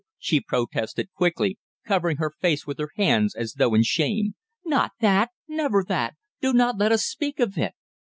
she protested quickly, covering her face with her hands as though in shame. "Not that never that! Do not let us speak of it!"